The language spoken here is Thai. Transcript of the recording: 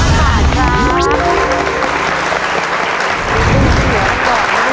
๑๕๐๐๐บาทครับ